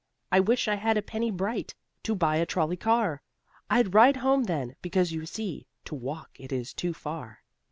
I wish I had a penny bright, To buy a trolley car. I'd ride home then, because, you see, To walk it is too far."